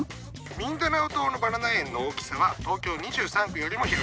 ミンダナオ島のバナナ園の大きさは東京２３区よりも広いんだよ！